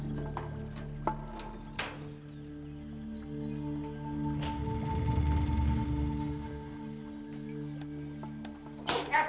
jangan lupa berlangganan di instagram kami